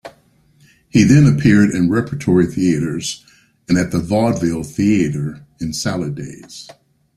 He then appeared in repertory theatres and at the Vaudeville Theatre in Salad Days.